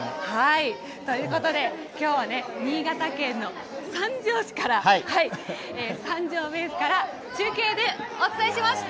ということで、きょうは新潟県の三条市から、三条ベースから中継でお伝えしました。